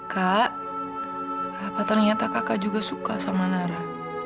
kak apa ternyata kakak juga suka sama nara